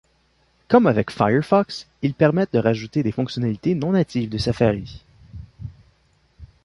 Comme avec Firefox, ils permettent de rajouter des fonctionnalités non natives de Safari.